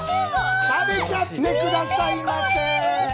食べちゃってくださいませ！